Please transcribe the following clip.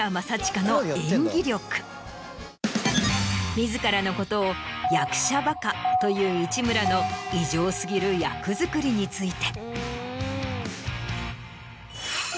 自らのことを「役者バカ」と言う市村の異常過ぎる役作りについて。